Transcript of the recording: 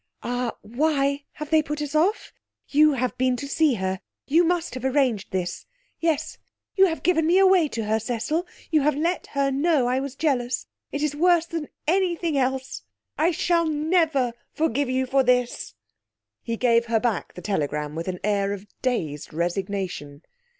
'Ah, why have they put us off? You have been to see her! You must have arranged this. Yes, you have given me away to her, Cecil; you have let her know I was jealous! It is worse than anything else! I shall never forgive you for this.' He gave her back the telegram with an air of dazed resignation.